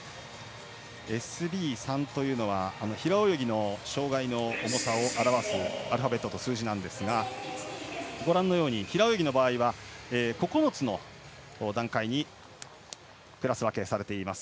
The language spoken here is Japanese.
ＳＢ３は、平泳ぎの障がいの重さを表すアルファベットと数字なんですが平泳ぎの場合は９つの段階にクラス分けされています。